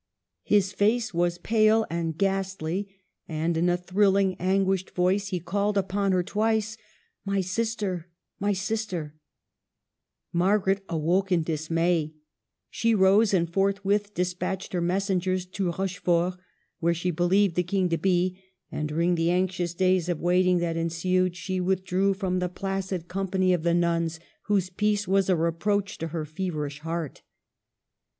His face was pale and ghastly, and in a thrilhng, anguished voice he called upon her twice :*' My sister ! my sister !" Margaret awoke in dismay; she rose and forthwith de spatched her messengers to Rochefort, where she believed the King to be, and during the anxious days of waiting that ensued she with drew from the placid company of the nuns, whose peace was a reproach to her feverish heart.